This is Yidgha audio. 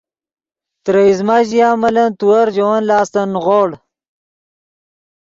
ترے ایزمہ ژیا ملن تیور ژے ون لاستن نیغوڑ